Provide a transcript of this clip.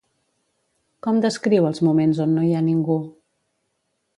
Com descriu els moments on no hi ha ningú?